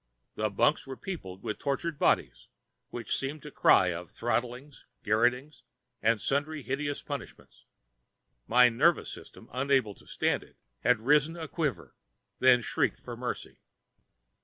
The bunks were peopled by tortured bodies, which seemed to cry of throttlings, garrotings, and sundry hideous punishments. My nervous system, unable to stand it, had risen a quiver, then shrieked for mercy.